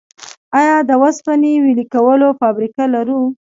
آیا د وسپنې ویلې کولو فابریکه لرو؟